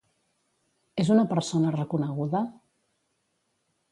És una persona reconeguda?